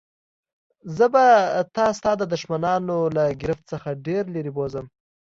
زه به تا ستا د دښمنانو له ګرفت څخه ډېر لیري بوزم.